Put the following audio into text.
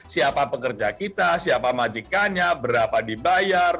siapa pekerja kita siapa majikannya berapa dibayar